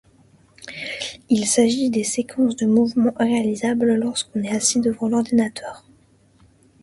Il s'agit de séquences de mouvements réalisables lorsqu'on est assis devant l’ordinateur.